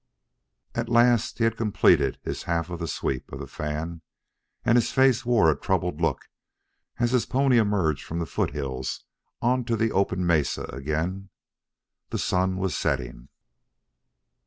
At last he had completed his half of the sweep of the fan, and his face wore a troubled look as his pony emerged from the foothills onto the open mesa again. The sun was setting.